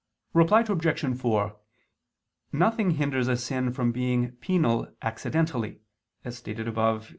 Reply Obj. 4: Nothing hinders a sin from being penal accidentally, as stated above (I II, Q.